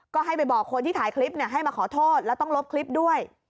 ก็ให้ไปบอกคนที่ถ่ายคลิปให้มาขอโทษแล้วต้องลบคลิปด้วย